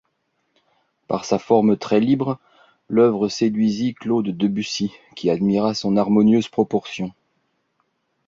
Par sa forme très libre, l'œuvre séduisit Claude Debussy qui admira son harmonieuse proportion.